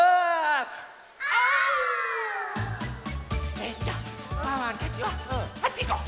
えっとワンワンたちはあっちいこう！